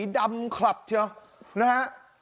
ดำขลับเชียวนะฮะ